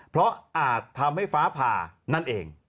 เพราะอาจทำให้ฟ้าผ่านั่นเอง